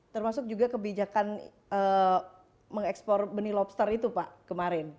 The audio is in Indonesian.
termasuk juga kebijakan mengekspor benih lobster itu pak kemarin